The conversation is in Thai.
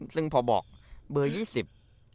ซึ่งพอบอกเบอร์ยี่สิบ